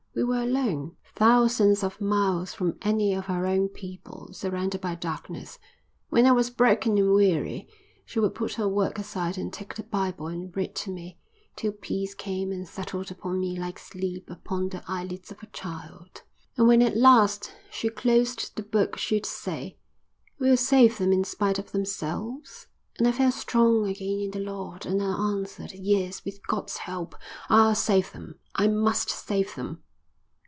We were alone, thousands of miles from any of our own people, surrounded by darkness. When I was broken and weary she would put her work aside and take the Bible and read to me till peace came and settled upon me like sleep upon the eyelids of a child, and when at last she closed the book she'd say: 'We'll save them in spite of themselves.' And I felt strong again in the Lord, and I answered: 'Yes, with God's help I'll save them. I must save them.'"